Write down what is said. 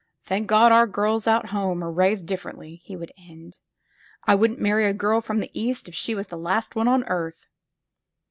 '"Thank God, our girls out home are raised diflEer ently," he would end. '*I wouldn't marry a girl from the East if she was the last one on earth!"